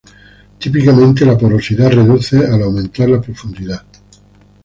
Típicamente la porosidad reduce al aumentar la profundidad.